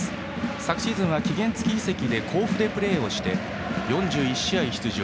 昨シーズンは期限付き移籍で甲府でプレーをして４１試合出場。